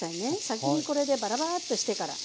先にこれでバラバラッとしてから。